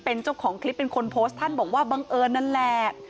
เป็นเจ้าของคลิปเป็นคนโพสต์ท่านบอกว่าบังเอิญนั่นแหละ